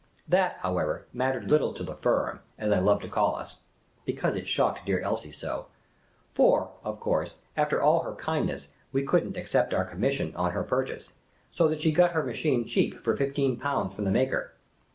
That, however, mattered little to " the firm," as I loved to call us (because it shocked dear Elsie so) ; for, of course, after all her kiiidness we could n't accept our commission on her purchase, so that she got her machine cheap for fifteen pounds from the maker.